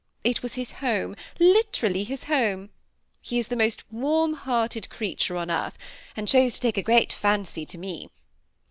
It was his home, literally his home. He is the most warm hearted creature on earth, and chose to take a great fancy to me.